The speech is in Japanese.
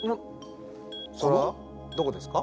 それはどこですか？